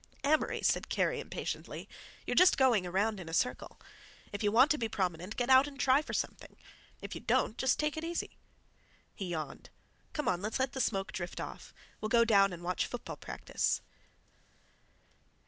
"Amory," said Kerry impatiently, "you're just going around in a circle. If you want to be prominent, get out and try for something; if you don't, just take it easy." He yawned. "Come on, let's let the smoke drift off. We'll go down and watch football practice."